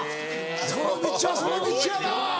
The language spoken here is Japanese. その道はその道やな！